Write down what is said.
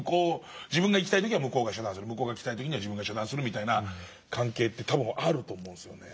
自分が行きたい時には向こうが遮断する向こうが来たい時には自分が遮断するみたいな関係って多分あると思うんですよね。